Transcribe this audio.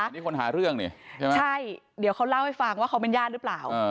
นี่คนหาเรื่องนี่ใช่ไหมใช่เดี๋ยวเขาเล่าให้ฟังว่าเขาเป็นญาติหรือเปล่า